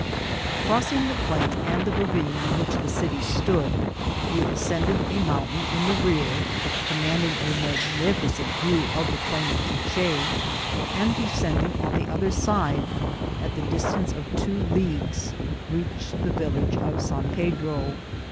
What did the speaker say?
Crossing the plain and the ravine on which the city stood, we ascended a mountain in the rear, command ing a magnificent view of the plain of Q,uich£, and de scending on the other side, at the distance of two leagues reached the village of San Pedro.